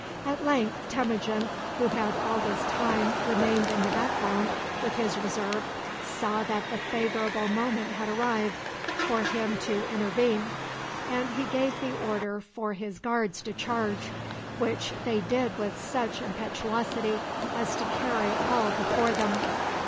At length Temujin, who had all this time remained in the background with his reserve, saw that the favorable moment had arrived for him to intervene, and he gave the order for his guards to charge, which they did with such impetuosity as to carry all before them.